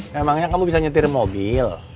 memangnya kamu bisa nyetir mobil